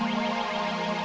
ya ada si rere